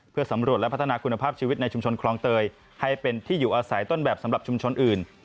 เพื่อสำรวจและพัฒนาคุณภาพชีวิตในชุมชนคลองเตยให้เป็นที่อยู่อาศัยต้นแบบสำหรับชุมชนอื่น